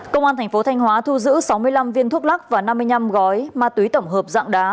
công an thành phố thanh hóa thu giữ sáu mươi năm viên thuốc lắc và năm mươi năm gói ma túy tổng hợp dạng đá